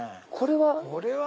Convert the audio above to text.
これは。